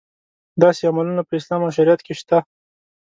داسې عملونه په اسلام او شریعت کې شته.